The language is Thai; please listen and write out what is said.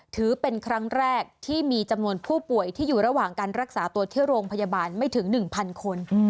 ถือเป็นครั้งแรกที่มีจำนวนผู้ป่วยที่อยู่ระหว่างการรักษาตัวที่โรงพยาบาลไม่ถึง๑๐๐คน